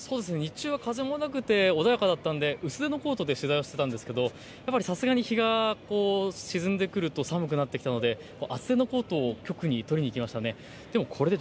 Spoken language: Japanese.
日中は風もなく穏やかだったので薄手のコートで取材をしていたんですけどもさすがに日が沈んでくると寒くなってきたので厚手のコートを局に取りに行きました。